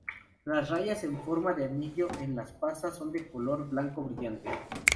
Las rayas en forma de anillo en las patas son de color blanco brillante.